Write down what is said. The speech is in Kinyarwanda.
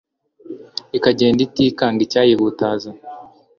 ikagenda itikanga icyayihutaza